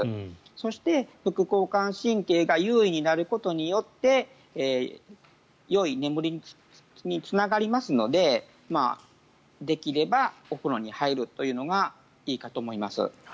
そして、副交感神経が優位になることによってよい眠りにつながりますのでできればお風呂に入るというのがいいと思います。